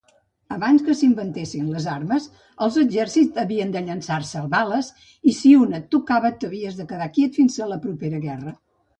Abans que s'inventessin les armes, els exèrcits havien de llançar-se bales i, si una et tocava, t'havies de quedar quiet fins a la propera guerra.